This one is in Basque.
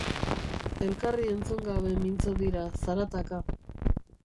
Elkarri entzun gabe mintzo dira, zarataka.